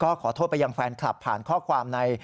ขอโทษไปยังแฟนคลับผ่านข้อความใน